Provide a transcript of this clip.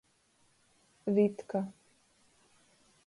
Vitka.